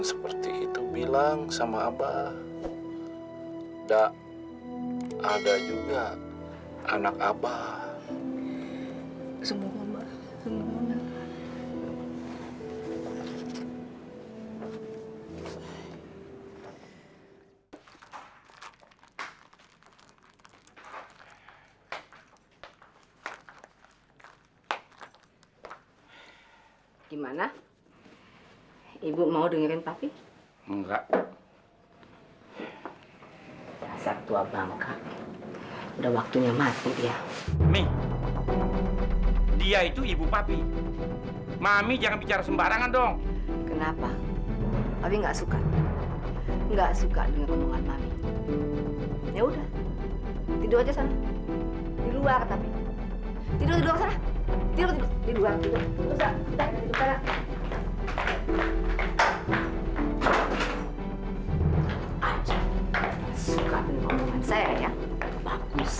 sampai jumpa di video selanjutnya